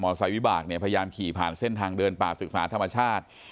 มอเตอร์ไซค์วิบากพยายามขี่ผ่านเส้นทางเดินป่าศึกษาธรรมชาติ